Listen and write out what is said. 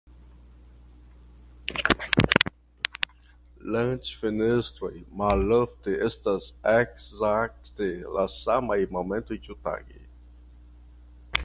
Lanĉfenestroj malofte estas ekzakte la samaj momentoj ĉiutage.